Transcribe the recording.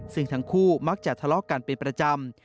ซึ่งทั้งคู่มักจะทะเลาะกันเป็นประจำ